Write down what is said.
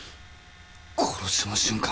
殺しの瞬間？